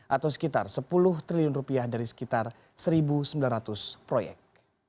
atau sekitar sepuluh triliun rupiah dari sekitar satu sembilan ratus proyek